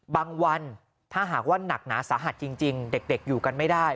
วันถ้าหากว่าหนักหนาสาหัสจริงเด็กอยู่กันไม่ได้